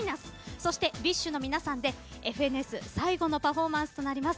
そして、ＢｉＳＨの皆さんで「ＦＮＳ」最後のパフォーマンスとなります。